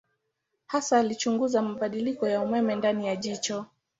Hasa alichunguza mabadiliko ya umeme ndani ya jicho.